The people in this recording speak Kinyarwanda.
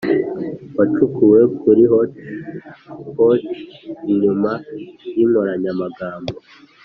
wacukuwe kuri hotchpotch inyuma y'inkoranyamagambo.